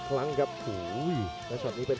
กันต่อแพทย์จินดอร์